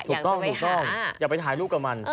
อยากจะไปหาถูกต้องอยากไปถ่ายรูปกับมัน